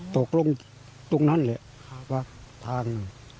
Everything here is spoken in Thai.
ตกตรงนั่นแหละทาง